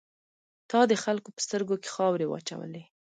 تا د خلکو په سترګو کې خاورې واچولې.